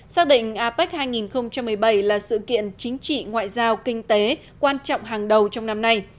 xác định apec hai nghìn một mươi bảy là sự kiện chính trị ngoại giao kinh tế quan trọng hàng đầu trong năm nay